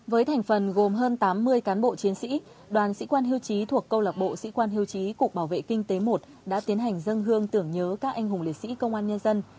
với thành phần gồm hơn tám mươi cán bộ chiến sĩ đoàn sĩ quan hưu trí thuộc câu lạc bộ sĩ quan hiêu trí cục bảo vệ kinh tế một đã tiến hành dân hương tưởng nhớ các anh hùng liệt sĩ công an nhân dân